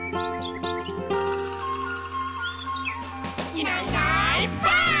「いないいないばあっ！」